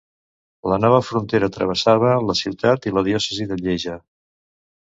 La nova frontera travessava la ciutat i la diòcesi de Lieja.